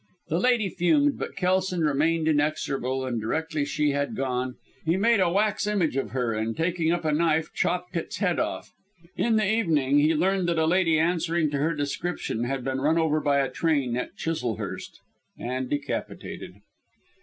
The lady fumed, but Kelson remained inexorable; and directly she had gone, he made a wax image of her, and taking up a knife chopped its head off. In the evening, he learned that a lady answering to her description had been run over by a train at Chislehurst and decapitated.